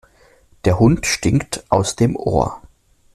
Der Hund stinkt aus dem Ohr.